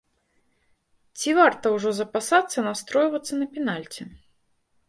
Ці варта ўжо запасацца настройвацца на пенальці?